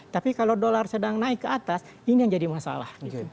tapi kalau dolar sedang naik ke atas ini yang jadi masalah